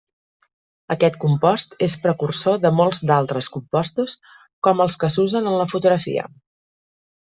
Aquest compost és precursor de molts d'altres compostos com els que s'usen en la fotografia.